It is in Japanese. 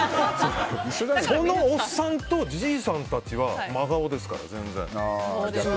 そのおっさんとじいさんたちは真顔ですから、全然。